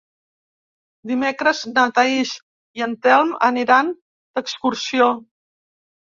Dimecres na Thaís i en Telm aniran d'excursió.